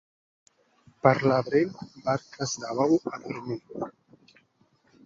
Per l'abril, barques de bou a dormir.